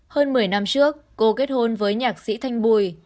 hơn một mươi năm trước cô kết hôn với nhạc sĩ thanh bùi